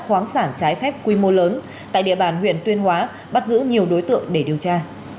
khoáng sản trái phép quy mô lớn tại địa bàn huyện tuyên hóa bắt giữ nhiều đối tượng để điều tra